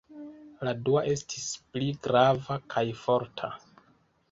La dua estis pli grava kaj forta.